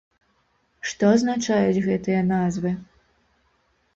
Што азначаюць гэтыя назвы?